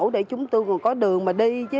để chúng tôi còn có đường mà đi chứ